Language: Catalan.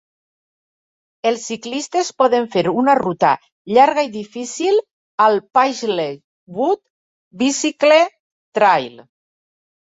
Els ciclistes poden fer una ruta llarga i difícil al Paisley Woods Bicycle Trail.